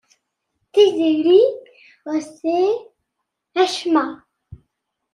Tiziri ur tesɛi acemma.